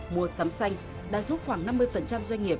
mua sắm xanh đã giúp khoảng năm mươi doanh nghiệp